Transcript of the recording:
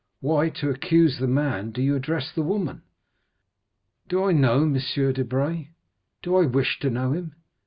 Why, to accuse the man, do you address the woman?" "Do I know M. Debray?—do I wish to know him?